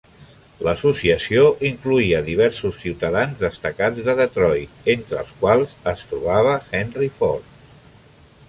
L'Associació incloïa diversos ciutadans destacats de Detroit, entre els quals es trobava Henry Ford.